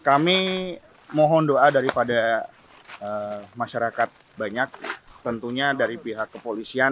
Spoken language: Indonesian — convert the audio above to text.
kami mohon doa daripada masyarakat banyak tentunya dari pihak kepolisian